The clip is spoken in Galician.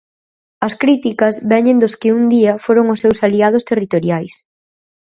As críticas veñen dos que un día foron os seus aliados territoriais.